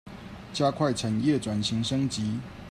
加快產業轉型升級